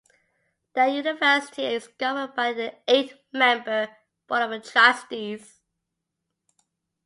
The university is governed by an eight-member Board of Trustees.